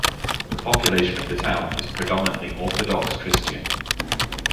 The population of the town is predominantly Orthodox Christian.